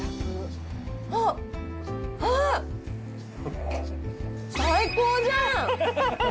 あっ、あっ、最高じゃん。